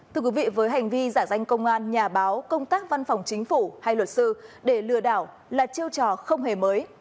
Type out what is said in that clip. thưa quý vị với hành vi giả danh công an nhà báo công tác văn phòng chính phủ hay luật sư để lừa đảo là chiêu trò không hề mới